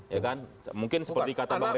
ya kan mungkin seperti kata pak repi